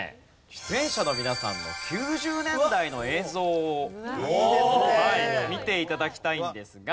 出演者の皆さんの９０年代の映像を見て頂きたいんですが。